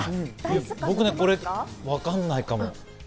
僕、これ分かんないかも。